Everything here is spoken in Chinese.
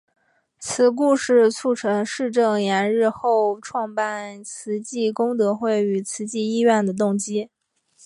此故事促成释证严日后创办慈济功德会与慈济医院的动机。